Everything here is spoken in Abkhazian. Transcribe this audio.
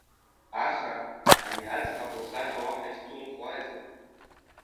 Ахра, ани аӡӷаб лсахьа уаҳа изҭумхуазеи?